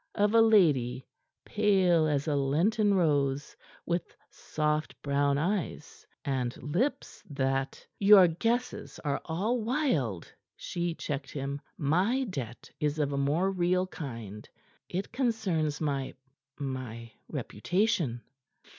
of a lady pale as a lenten rose, with soft brown eyes, and lips that " "Your guesses are all wild," she checked him. "My debt is of a more real kind. It concerns my my reputation."